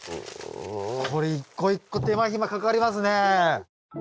これ一個一個手間暇かかりますね。